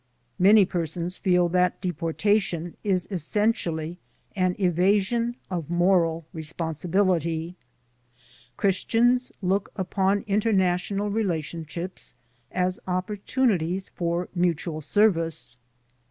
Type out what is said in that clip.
Many persons feel that de portation is essentially an evasion of moral responsibility. Christians look upon international relationships as oppor tunities for mutual service.